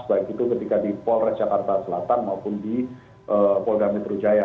baik itu ketika di polres jakarta selatan maupun di polda metro jaya